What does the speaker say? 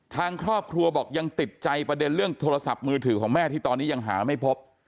ทางครอบครัวบอกยังติดใจประเด็นเรื่องโทรศัพท์มือถือของแม่ที่ตอนนี้ยังหาไม่พบ